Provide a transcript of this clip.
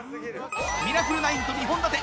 『ミラクル９』と２本立て。